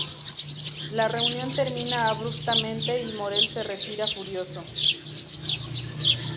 La reunión termina abruptamente y Morel se retira furioso.